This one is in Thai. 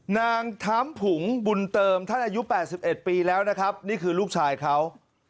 นางถามผุงบุญเติมท่านอายุ๘๑ปีแล้วนะครับนี่คือลูกชายเขา